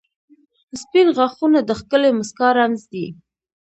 • سپین غاښونه د ښکلې مسکا رمز دی.